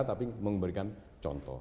tapi memberikan contoh